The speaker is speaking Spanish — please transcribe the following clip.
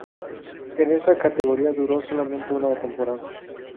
En esta categoría duró solamente una temporada.